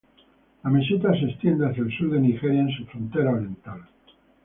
La meseta se extiende hacia el sur de Nigeria en su frontera oriental.